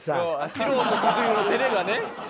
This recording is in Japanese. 素人特有の照れがね。